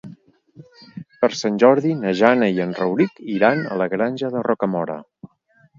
Per Sant Jordi na Jana i en Rauric iran a la Granja de Rocamora.